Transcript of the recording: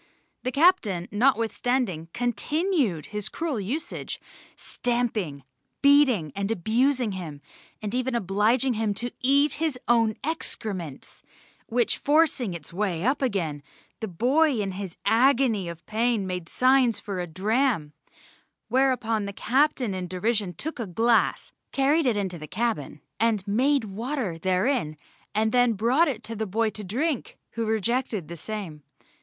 The Captain, notwithstanding, continued his cruel usage, stamping, beating and abusing him, and even obliging him to eat his own excrements, which forcing its way upwards again, the boy in his agony of pain made signs for a dram, whereupon the captain in derision took a glass, carried it into the cabin, and made water therein, and then brought it to the boy to drink, who rejected the same.